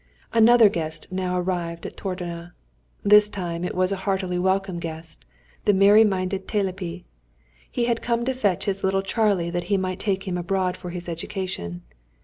Another guest now arrived at Tordona. This time it was a heartily welcome guest, the merry minded Telepi. He had come to fetch his little Charlie that he might take him abroad for his education.